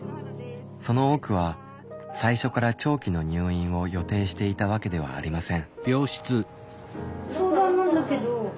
その多くは最初から長期の入院を予定していたわけではありません。